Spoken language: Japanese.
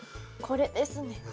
これですね。